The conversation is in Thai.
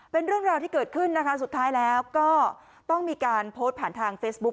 เป็นเรื่องราวที่เกิดขึ้นนะคะสุดท้ายแล้วก็ต้องมีการโพสต์ผ่านทางเฟซบุ๊ค